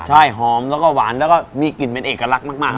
ใช่หอมแล้วก็หวานแล้วก็มีกลิ่นเป็นเอกลักษณ์มาก